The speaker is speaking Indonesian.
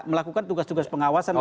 melakukan tugas tugas pengawasan